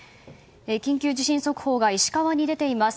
緊急地震速報が石川に出ています。